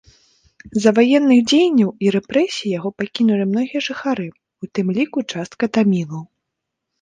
З-за ваенных дзеянняў і рэпрэсій яго пакінулі многія жыхары, у тым ліку частка тамілаў.